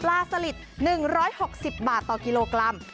สลิด๑๖๐บาทต่อกิโลกรัม